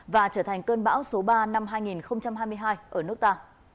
và trở thành cơn bão số ba năm hai nghìn hai mươi hai ở nước ta